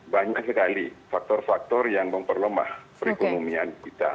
banyak sekali faktor faktor yang memperlemah perekonomian kita